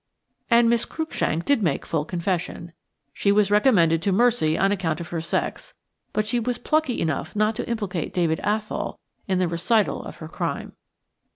And Miss Cruikshank did make full confession. She was recommended to mercy on account of her sex, but she was plucky enough not to implicate David Athol in the recital of her crime.